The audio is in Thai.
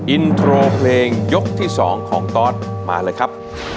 อินโทรเพลงยกที่๒ของตอสมาเลยครับ